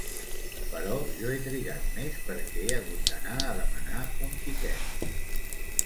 Però jo he trigat més perquè he hagut d'anar a demanar un tiquet.